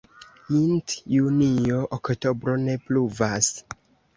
Int junio-oktobro ne pluvas.